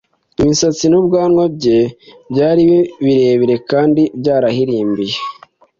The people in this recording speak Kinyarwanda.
imisatsi n ubwanwa bye byari birebire kandi byarahirimbiye